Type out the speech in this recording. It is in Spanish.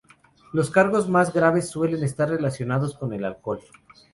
Los casos más graves suelen estar relacionados con el alcohol.